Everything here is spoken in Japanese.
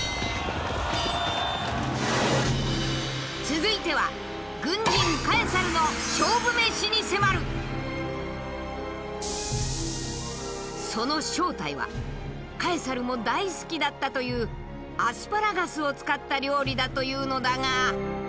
続いてはその正体はカエサルも大好きだったというアスパラガスを使った料理だというのだが。